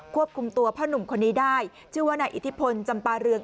ควบคุมตัวพ่อหนุ่มคนนี้ได้ชื่อว่านายอิทธิพลจำปาเรือง